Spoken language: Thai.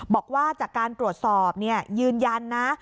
บอกว่าจากการตรวจสอบยืนยันนะ